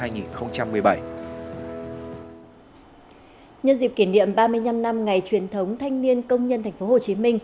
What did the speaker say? nhân dịp kỷ niệm ba mươi năm năm ngày truyền thống thanh niên công nhân tp hcm